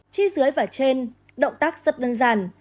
chi dưới và trên động tác rất đơn giản